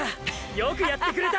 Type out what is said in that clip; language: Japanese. よくやってくれた！！